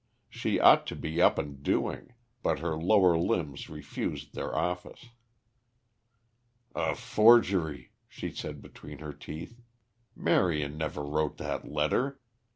She ought to be up and doing, but her lower limbs refused their office. "A forgery," she said between her teeth. "Marion never wrote that letter.